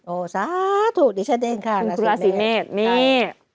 โอ้ซะถูกนี่ฉันเองค่ะราศีแม่ด